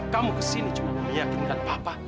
kamu kesini cuma meyakinkan papa